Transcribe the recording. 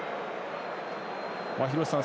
廣瀬さん